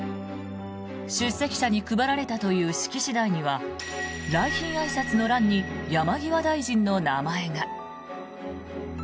出席者に配られたという式次第には来賓あいさつの欄に山際大臣の名前が。